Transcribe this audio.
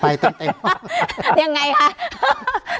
ยังไงคะ